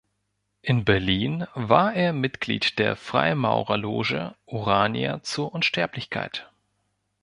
In Berlin war er Mitglied der Freimaurerloge „Urania zur Unsterblichkeit“.